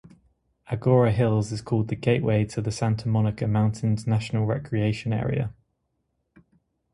Agoura Hills is called the "Gateway to the Santa Monica Mountains National Recreation Area".